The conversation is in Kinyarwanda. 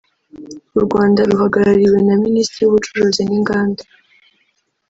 u Rwanda ruhagarariwe na Minisitiri w’Ubucuruzi n’Inganda